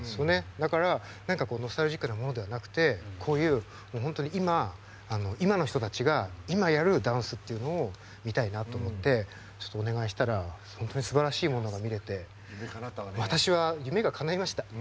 だからノスタルジックなものではなくてこういう本当に今の人たちが今やるダンスっていうのを見たいなと思ってちょっとお願いしたら本当にすばらしいものが見れて私は夢がかないました。